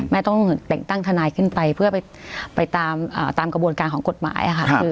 แม่ต้องตั้งทนายขึ้นไปเพื่อไปตามกระบวนการของกฎหมาย